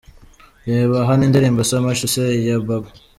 Reba Hano indirimbo So much to say ya Babou.